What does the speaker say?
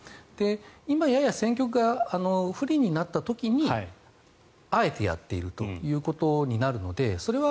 今、やや戦局が不利になった時にあえてやっているということになるのでそれは